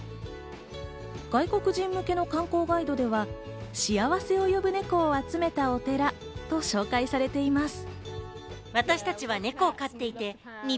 外国人向けの観光ガイドでは、幸せを呼ぶ猫を集めたお寺と紹介されています。